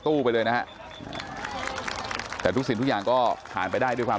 ไปเลยนะฮะแต่ทุกสิ่งทุกอย่างก็ผ่านไปได้ด้วยความ